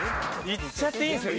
いっちゃっていいんです。